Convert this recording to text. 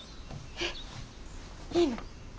えっいいの？